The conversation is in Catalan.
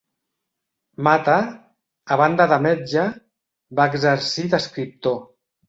Mata, a banda de metge, va exercir d'escriptor.